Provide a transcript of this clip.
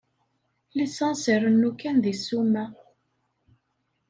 Lissans irennu kan deg ssuma.